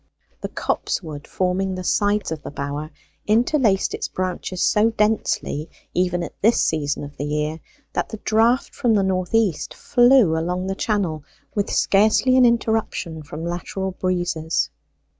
The copse wood forming the sides of the bower interlaced its branches so densely, even at this season of the year, that the draught from the north east flew along the channel with scarcely an interruption from lateral breezes.